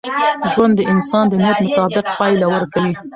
ژوند د انسان د نیت مطابق پایله ورکوي.